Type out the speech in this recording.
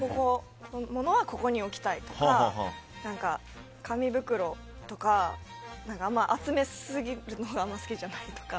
物はここに置きたいとか紙袋とか集めすぎるのかあんまり好きじゃないとか。